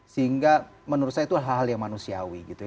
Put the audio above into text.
sehingga menurut saya itu hal hal yang manusiawi gitu ya